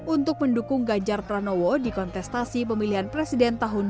untuk mendukung ganjar pranowo di kontestasi pemilihan presiden tahun dua ribu dua puluh empat